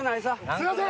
すいません！